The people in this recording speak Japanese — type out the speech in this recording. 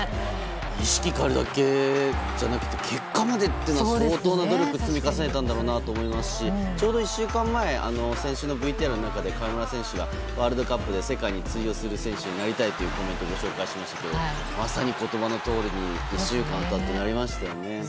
意識を変えるだけじゃなくて結果までというのは相当な努力を積み重ねたんだろうなと思いますしちょうど１週間前先週のＶＴＲの中で河村選手がワールドカップで世界に通用する選手になりたいというコメントをご紹介しましたがまさに言葉どおりに１週間経って、なりましたよね。